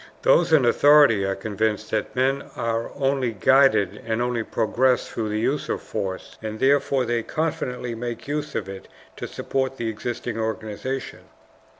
Those in authority are convinced that men are only guided and only progress through the use of force, and therefore they confidently make use of it to support the existing organization.